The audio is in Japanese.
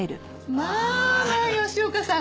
まあまあ吉岡さん。